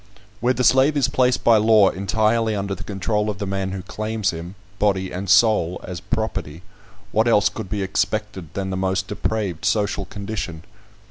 Where the slave is placed by law entirely under the control of the man who claims him, body and soul, as property, what else could be expected than the most depraved social condition?